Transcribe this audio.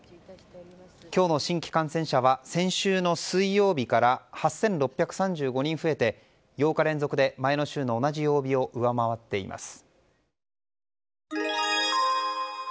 今日の新規感染者は先週の水曜日から８６３５人増えて８日連続で前の週の同じ曜日を上回っています。